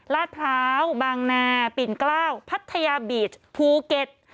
ลาดพร้าวบางนาปิ่นเกล้าวพัทยาบีชภูเก็ต